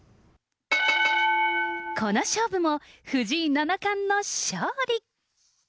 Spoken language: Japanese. この勝負も、藤井七冠の勝利。